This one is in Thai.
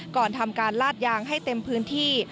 ก่อนทำการลาดยางให้เต็มพื้นที่